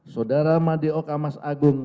saudara madeoka mas agung